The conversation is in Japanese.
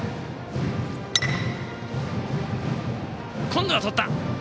今度はとった！